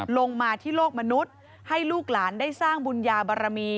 ลงมาที่โลกมนุษย์ให้ลูกหลานได้สร้างบุญญาบารมี